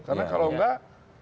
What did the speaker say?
karena kalau enggak